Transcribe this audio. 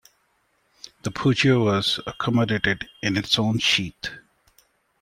The pugio was accommodated in its own sheath.